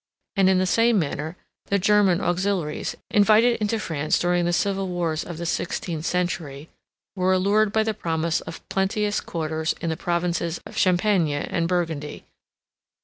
34 And in the same manner the German auxiliaries, invited into France during the civil wars of the sixteenth century, were allured by the promise of plenteous quarters in the provinces of Champaigne and Burgundy.